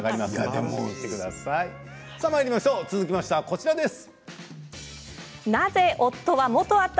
続きましては、こちらです。